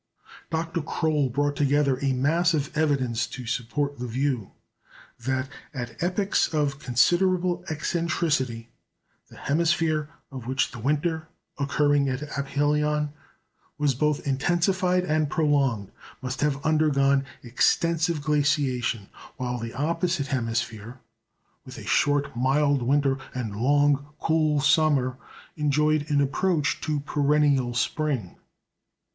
Dr. Croll brought together a mass of evidence to support the view, that, at epochs of considerable eccentricity, the hemisphere of which the winter, occurring at aphelion, was both intensified and prolonged, must have undergone extensive glaciation; while the opposite hemisphere, with a short, mild winter, and long, cool summer, enjoyed an approach to perennial spring.